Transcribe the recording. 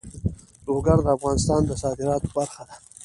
لوگر د افغانستان د صادراتو برخه ده.